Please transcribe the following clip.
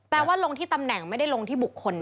ว่าลงที่ตำแหน่งไม่ได้ลงที่บุคคล